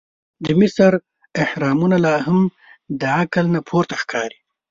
د مصر احرامونه لا هم د عقل نه پورته ښکاري.